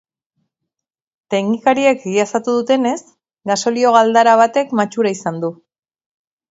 Teknikariek egiaztatu dutenez, gasolio galdara batek matxura izan du.